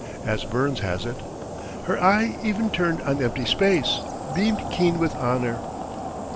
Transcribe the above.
As Burns has it: "Her eye even turned on empty space, Beamed keen with honor."